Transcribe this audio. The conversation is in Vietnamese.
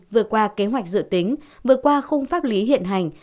vừa qua kế hoạch dự tính vừa qua khung pháp lý hiện hành